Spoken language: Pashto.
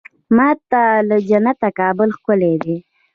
ما ته له جنته کابل ښکلی دی.